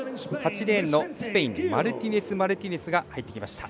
８レーンのスペインマルティネスマルティネスが入ってきました。